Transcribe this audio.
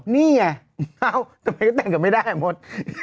นี่ไงเอ้าทำไมก็แต่งกันไม่ได้อ่ะหมด